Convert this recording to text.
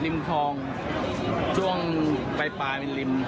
เมื่อเมื่อ